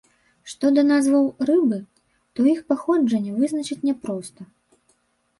Што да назваў рыбы, то іх паходжанне вызначыць няпроста.